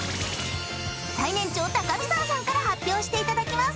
［最年長高見沢さんから発表していただきます］